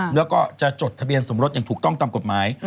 แล้วก็จะจดทะเบียนสมรสอย่างถูกต้องตามกฎหมาย